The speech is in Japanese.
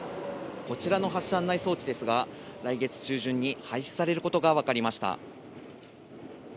こちらの発車案内装置ですが、来月中旬に廃止されることが分かりました。